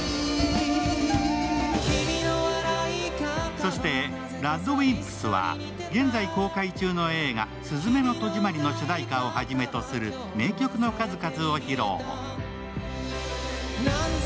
そしてＲＡＤＷＩＭＰＳは、現在公開中の映画「すずめの戸締まり」の主題歌を初めとする名曲の数々。